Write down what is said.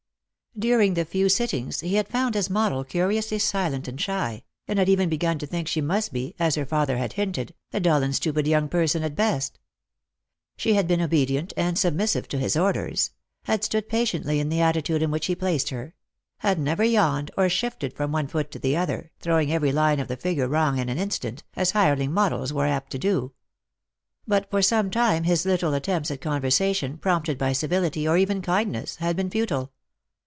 During the few sittings he had found his model curiously silent and shy, and had even begun to think she must be, as her father had hinted, a dull and stupid young person at best. She had been obedient and submissive to his orders; had stood patiently in the attitude in which he placed her; had nevei yawned, or shifted from one foot to the other, throwing every line of the figure wrong in an instant, as hireling modeli were apt to do. But for some time his little attempts at conversa tion, prompted by civility or even kindness, had been futile.